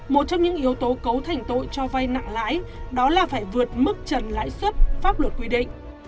một trong những yếu tố cấu thành tội cho vay nặng lãi đó là phải vượt mức trần lãi xuất pháp luật quy định